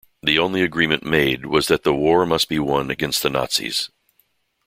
The only agreement made was that the war must be won against the Nazis.